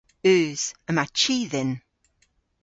Eus. Yma chi dhyn.